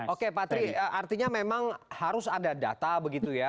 oke patri artinya memang harus ada data begitu ya